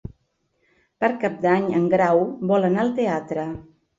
Per Cap d'Any en Grau vol anar al teatre.